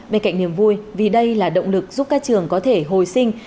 bên cạnh niềm vui vì đây là động lực giúp các trường có thể hồi sinh